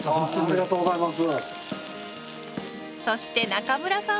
ありがとうございます。